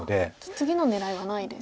次の狙いはないですか。